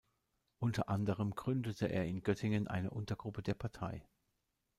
Unter anderem gründete er in Göttingen eine Untergruppe der Partei.